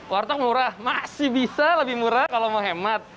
warteg murah masih bisa lebih murah kalau mau hemat